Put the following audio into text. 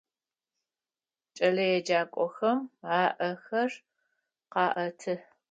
Кӏэлэеджакӏохэм аӏэхэр къаӏэты.